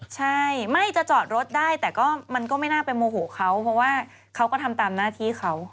ใช่ไม่จะจอดรถได้แต่ก็มันก็ไม่น่าไปโมโหเขาเพราะว่าเขาก็ทำตามหน้าที่เขา